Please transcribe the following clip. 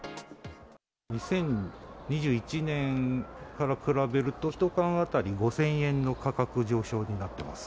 ２０２１年から比べると、１缶当たり５０００円の価格上昇になってます。